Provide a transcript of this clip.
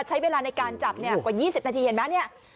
ใช้เวลาในการจับกว่า๒๐นาทีเห็นมั้ย